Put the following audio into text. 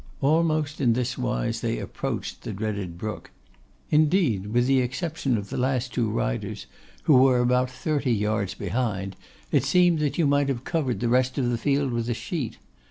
Almost in this wise they approached the dreaded brook. Indeed, with the exception of the last two riders, who were about thirty yards behind, it seemed that you might have covered the rest of the field with a sheet.